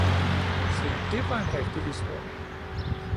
Se, det var en rigtig historie!